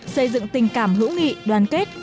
xây dựng tình cảm hữu nghị đoàn kết